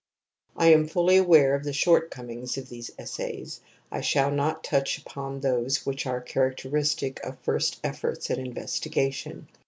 I am fully aware of the shortcomings in these essays. I shall not touch upon those which are <3haracteristic of first efforts at investigation.